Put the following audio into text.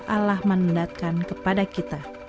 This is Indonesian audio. allah menendatkan kepada kita